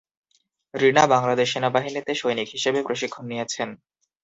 রিনা বাংলাদেশ সেনাবাহিনীতে সৈনিক হিসেবে প্রশিক্ষণ নিয়েছেন।